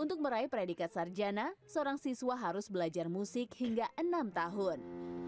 untuk meraih predikat sarjana seorang siswa harus belajar musik hingga enam tahun